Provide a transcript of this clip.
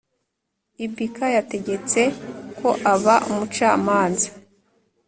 Ibk yategetse ko aba umucamanza